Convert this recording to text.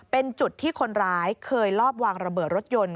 เป็นจุดที่คนร้ายเคยลอบวางระเบิดรถยนต์